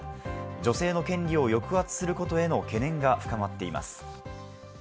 女性の権利を抑圧することへの懸念が深まっています。